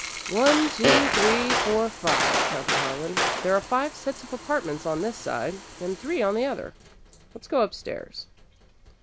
"One, two, three, four, five," counted Harlan. "There are five sets of apartments on this side, and three on the other. Let's go upstairs."